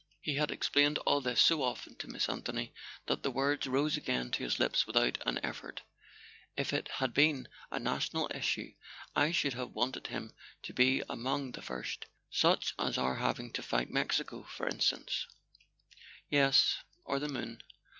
He had explained all this so often to Miss Anthony that the words rose again to his lips without an effort. "If it had been a national issue I should have wanted him to be among the first: such as our having to fight Mexico, for instance " A SON AT THE FRONT "Yes; or the moon.